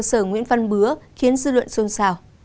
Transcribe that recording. sở nguyễn văn bứa khiến dư luận xôn xào